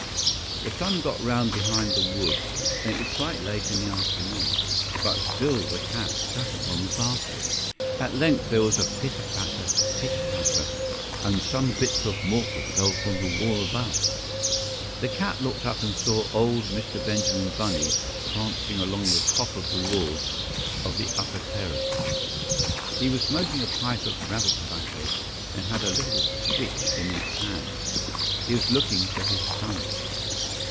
The sun got round behind the wood, and it was quite late in the afternoon; but still the cat sat upon the basket. AT length there was a pitter patter, pitter patter, and some bits of mortar fell from the wall above. The cat looked up and saw old Mr. Benjamin Bunny prancing along the top of the wall of the upper terrace. He was smoking a pipe of rabbit tobacco, and had a little switch in his hand. He was looking for his son.